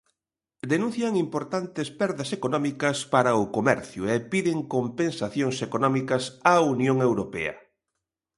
Denuncian importantes perdas económicas para o comercio e piden compensacións económicas á Unión Europea.